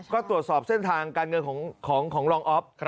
ก็ตรวจสอบเส้นทางการเงินของรองอ๊อฟ